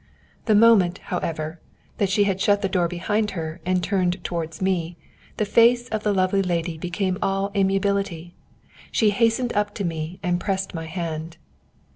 The moment, however, that she had shut the door behind her and turned towards me, the face of the lovely lady became all amiability. She hastened up to me and pressed my hand.